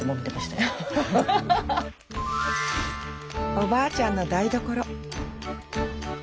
おばあちゃんの台所